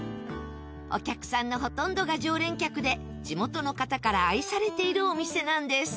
お客さんのほとんどが常連客で地元の方から愛されているお店なんです。